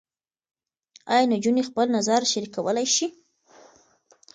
ایا نجونې خپل نظر شریکولی شي؟